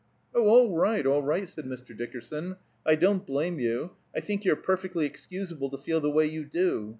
"Oh, all right, all right," said Mr. Dickerson. "I don't blame you. I think you're perfectly excusable to feel the way you do.